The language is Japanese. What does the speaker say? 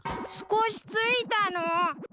少しついたの！